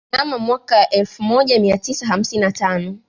Mnamo mwaka wa elfu moja mia tisa hamsini na tano